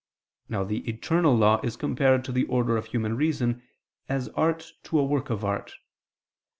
Now the eternal law is compared to the order of human reason, as art to a work of art.